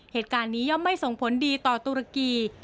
เหตุการณ์นี้ย่อมไม่ส่งผลดีต่อตุรกี